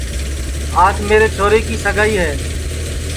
آج میرے چھورے کی سگائی ہے